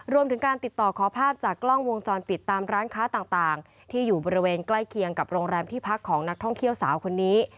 รวมถึงการติดต่อขอภาพจากกล้องวงจรปิดตามร้านค้าต่างที่อยู่บริเวณใกล้เคียงกับโรงแรมที่พักของนักท่องเที่ยวสาวคนนี้